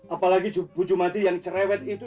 apalagi bujumati yang cerewet itu